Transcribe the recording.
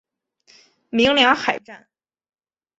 鸣梁海战